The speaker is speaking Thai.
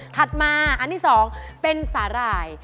ถัดมาอันที่๒เป็นสาหร่าย